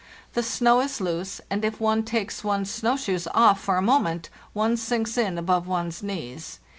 The snow 1s loose, and if one takes one's snow shoes off for a moment one sinks in above one's knees.